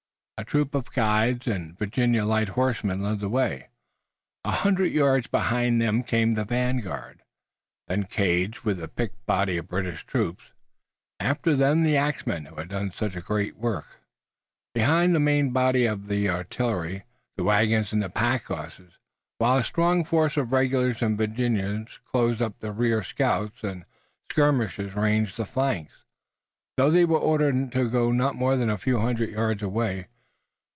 A troop of guides and Virginia light horsemen led the way. A hundred yards behind them came the vanguard, then Gage with a picked body of British troops, after them the axmen, who had done such great work, behind them the main body of the artillery, the wagons and the packhorses, while a strong force of regulars and Virginians closed up the rear. Scouts and skirmishers ranged the flanks, though they were ordered to go not more than a few hundred yards away.